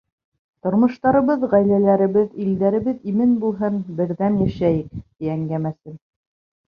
Тормоштарыбыҙ, ғаиләләребеҙ, илдәребеҙ имен булһын, берҙәм йәшәйек, — ти әңгәмәсем.